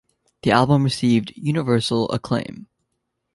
The album received Universal Acclaim.